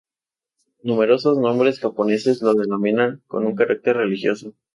Numerosos nombres japoneses lo denominan con un carácter religioso.